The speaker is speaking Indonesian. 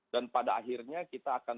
dan pada akhirnya kita akan